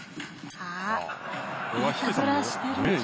あいたずらしてる。